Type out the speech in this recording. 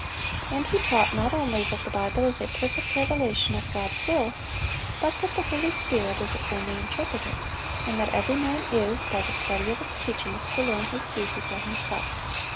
And he taught not only that the Bible is a perfect revelation of God's will, but that the Holy Spirit is its only interpreter, and that every man is, by the study of its teachings, to learn his duty for himself.